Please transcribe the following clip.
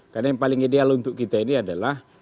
karena yang paling ideal untuk kita ini adalah